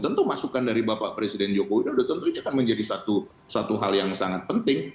tentu masukan dari bapak presiden joko widodo tentu ini akan menjadi satu hal yang sangat penting